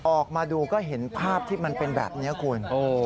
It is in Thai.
ออกมาดูก็เห็นภาพที่มันเป็นแบบนี้คุณ